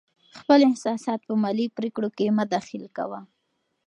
خپل احساسات په مالي پرېکړو کې مه دخیل کوه.